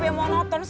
akan sampai di rumah